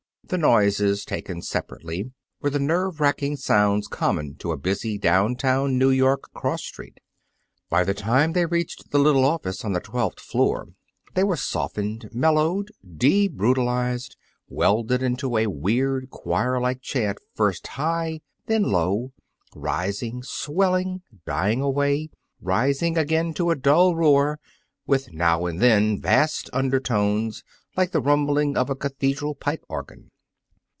The noises, taken separately, were the nerve racking sounds common to a busy down town New York cross street. By the time they reached the little office on the twelfth floor, they were softened, mellowed, debrutalized, welded into a weird choirlike chant first high, then low, rising, swelling, dying away, rising again to a dull roar, with now and then vast undertones like the rumbling of a cathedral pipe organ.